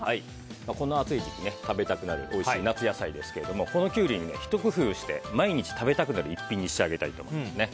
この暑い時期、食べたくなるおいしい夏野菜ですけどこのキュウリにひと工夫して毎日食べたくなる１品に仕上げたいと思います。